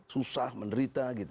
susah menderita gitu